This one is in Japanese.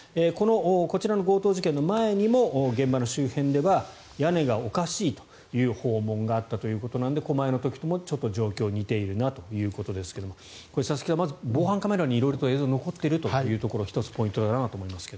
こちらの強盗事件の前にも現場周辺では屋根がおかしいという訪問があったということなので狛江の時ともちょっと状況が似ているなということですが佐々木さん、まず防犯カメラに色々と映像が残っているのが１つポイントだなと思いますが。